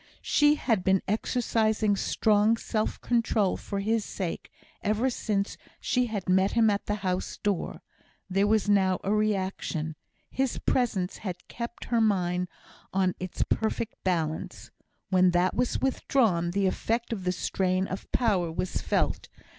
She had been exercising strong self control for his sake ever since she had met him at the house door; there was now a reaction. His presence had kept her mind on its perfect balance. When that was withdrawn, the effect of the strain of power was felt.